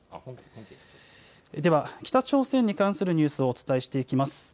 では北朝鮮に関するニュースをお伝えしていきます。